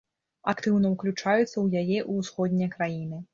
Актыўна ўключаюцца ў яе і ўсходнія краіны.